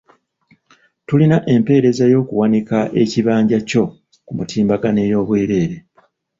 Tulina empeereza y'okuwanika ekibanja kyo ku mutimbagano ey'obwereere.